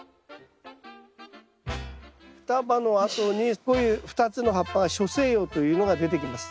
双葉のあとにこういう２つの葉っぱが初生葉というのが出てきます。